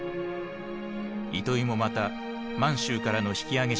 糸居もまた満州からの引き揚げ者だった。